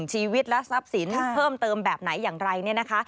ชีวิตและทรัพย์สินเพิ่มเติมแบบไหนอย่างไรเนี่ยนะคะ